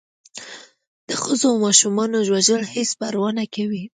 د ښځو و ماشومانو وژل هېڅ پروا نه کوي.